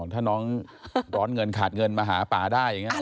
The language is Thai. ถ้าน้องร้อนเงินขาดเงินมาหาป่าได้อย่างนี้